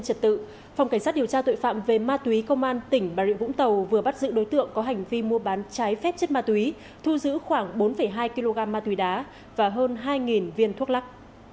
phòng cảnh tự phòng cảnh sát điều tra tội phạm về ma túy công an tỉnh bà rịa vũng tàu vừa bắt giữ đối tượng có hành vi mua bán trái phép chất ma túy thu giữ khoảng bốn hai kg ma túy đá và hơn hai viên thuốc lắc